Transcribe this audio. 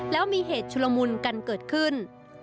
แล้วมีเหตุชุลมุนกันเกิดขึ้น